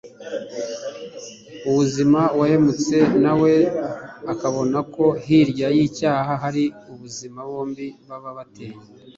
ubuzima, uwahemutse nawe akabona ko hirya y'icyaha hari ubuzima, bombi baba bateye